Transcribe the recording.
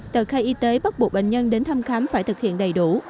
tờ khai y tế bắt buộc bệnh nhân đến thăm khám phải thực hiện đầy đủ